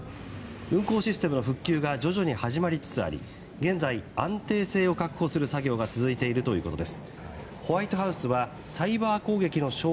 運航システムの復旧が徐々に始まりつつあり現在、安定性を確保する作業が続いているということです。